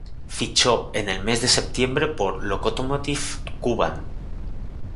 Fichó en el mes de septiembre por el Lokomotiv Kuban.